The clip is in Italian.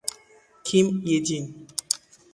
Kim Ye-jin